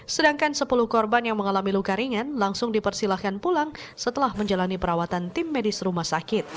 sedangkan sepuluh korban yang mengalami luka ringan langsung dipersilahkan pulang setelah menjalani perawatan tim medis rumah sakit